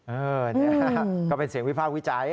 เออเนี่ยก็เป็นเสียงวิพากษ์วิจัย